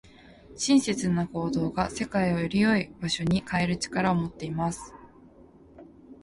親切な行動が、世界をより良い場所に変える力を持っています。